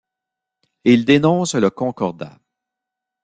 Il dénonce le Concordat.